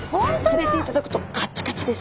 触れていただくとカチカチです。